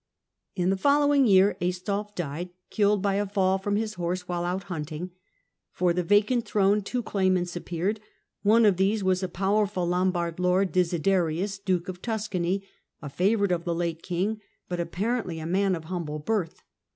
In the following year Aistulf died, killed by a fall from his horse while out hunting. For the vacant throne two claimants appeared. One of these was a powerful Lombard lord, Desiderius, Duke of Tuscany, favourite of the late king, but apparently a man of humble birth.